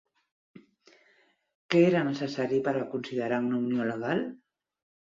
Què era necessari per a considerar una unió legal?